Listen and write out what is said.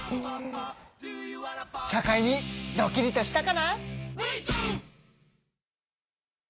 社会にドキリとしたかな？